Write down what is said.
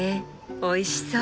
おいしそう。